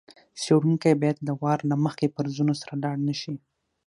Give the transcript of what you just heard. څېړونکی باید له وار له مخکې فرضونو سره لاړ نه شي.